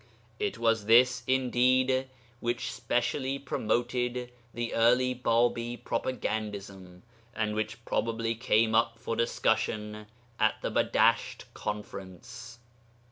It was this, indeed, which specially promoted the early Bābī propagandism, and which probably came up for discussion at the Badasht conference.